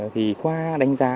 thì qua đánh giá